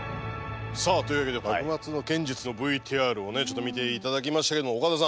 さあというわけで幕末の剣術のＶＴＲをねちょっと見て頂きましたけども岡田さん。